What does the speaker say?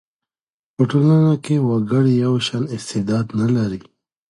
په ټولنه کي وګړي یو شان استعداد نه لري.